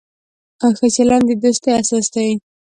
ښه چلند د دوستۍ اساس دی.